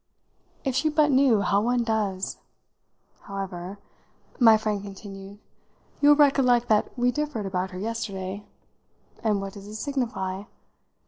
If she but knew how one does! However," my friend continued, "you'll recollect that we differed about her yesterday and what does it signify?